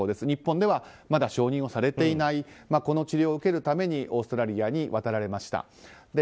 日本ではまだ承認されていないこの治療を受けるためにオーストラリアに渡られました。